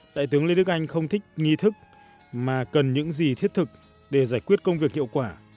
đại tướng lê đức anh không thích nghi thức mà cần những gì thiết thực để giải quyết công việc hiệu quả